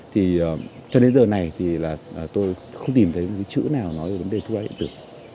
thì cho đến giờ này thì là tôi không tìm thấy một cái chữ nào nói về vấn đề thuốc lá điện tử